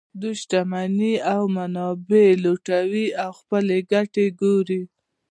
دوی شتمنۍ او منابع لوټوي او خپلې ګټې ګوري